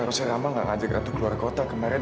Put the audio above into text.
harusnya lama gak ngajak ratu keluar kota kemarin